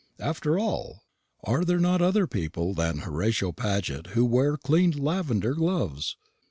After all, are there not other people than Horatio Paget who wear cleaned lavender gloves?